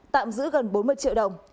tạm giữ gần bốn mươi triệu đồng